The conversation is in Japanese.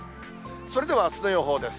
それではあすの予報です。